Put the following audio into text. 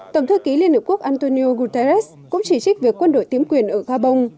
tổng thư ký liên hiệp quốc antonio guterres cũng chỉ trích việc quân đội tiếm quyền ở gabon